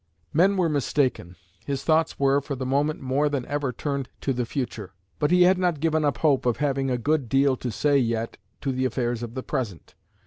Men were mistaken. His thoughts were, for the moment, more than ever turned to the future; but he had not given up hope of having a good deal to say yet to the affairs of the present.